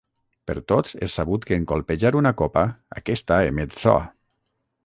Per tots és sabut que en colpejar una copa, aquesta emet so.